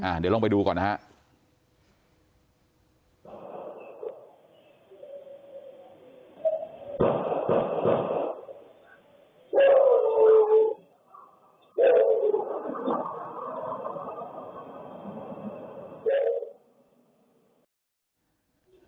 อ่าเดี๋ยวเราลองไปดูก่อนนะฮะ